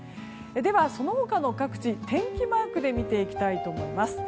では、その他の各地天気マークで見ていきます。